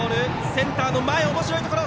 センターの前、おもしろいところ。